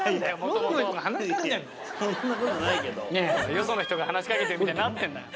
よその人が話しかけてるみたいになってんだよ。